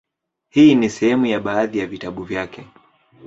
Hii ni sehemu ya baadhi ya vitabu vyake;